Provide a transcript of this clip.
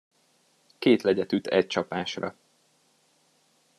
Két legyet üt egy csapásra.